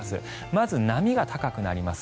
まず、波が高くなります。